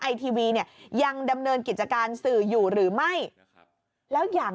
ไอทีวีเนี่ยยังดำเนินกิจการสื่ออยู่หรือไม่แล้วอย่าง